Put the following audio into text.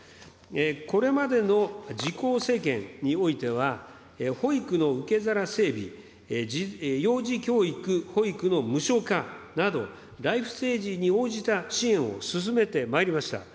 これまでの自公政権においては、保育の受け皿整備、幼児教育、保育の無償化など、ライフステージに応じた支援を進めてまいりました。